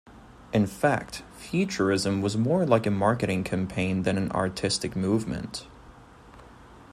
In fact, Futurism was more like a marketing campaign than an artistic movement.